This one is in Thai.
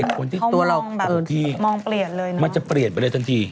ของตัวเราเนี่ยมันจะเปลี่ยนไปเลยตังที